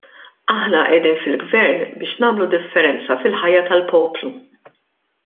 Aħna qegħdin fil-gvern biex nagħmlu differenza fil-ħajja tal-poplu.